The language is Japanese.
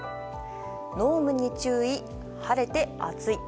濃霧に注意、晴れて暑い。